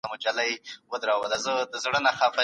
په لیکنو کې له تصنع څخه ډډه وکړئ.